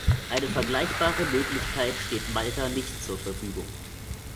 Eine vergleichbare Möglichkeit steht Malta nicht zur Verfügung.